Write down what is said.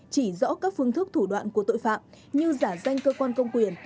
chỉ rõ các phương thức thủ đoạn của tội phạm như giả danh cơ quan công quyền